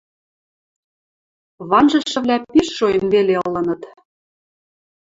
Ванжышывлӓ пиш шоэн веле ылыныт.